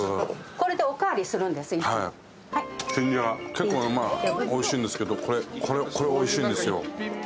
結構まあおいしいんですけどこれおいしいんですよ。